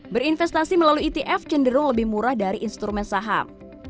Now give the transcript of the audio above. berinvestasi melalui etf cenderung lebih murah dari instrumen saham